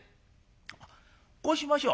こうしましょう。